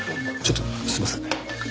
ちょっとすいません。